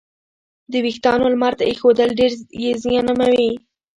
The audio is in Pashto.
د وېښتیانو لمر ته ایښودل یې زیانمنوي.